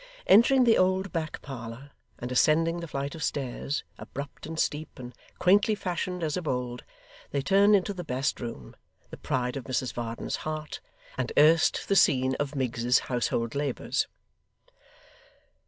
Entering the old back parlour, and ascending the flight of stairs, abrupt and steep, and quaintly fashioned as of old, they turned into the best room; the pride of Mrs Varden's heart, and erst the scene of Miggs's household labours.